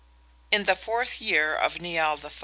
In the fourth year of Nial III.